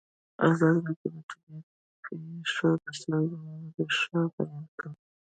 ازادي راډیو د طبیعي پېښې د ستونزو رېښه بیان کړې.